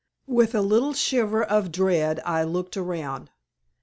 With a little shiver of dread I looked around.